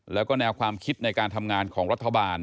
แล้วก็แนวความคิดในการทำงานของรัฐบาล